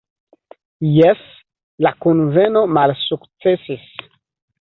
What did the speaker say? Jes, la kunveno malsuksesis.